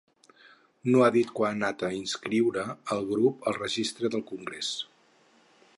Ho ha dit quan ha anat a inscriure el grup al registre del congrés.